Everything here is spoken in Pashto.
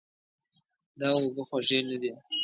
دا اوبه خوږې نه دي.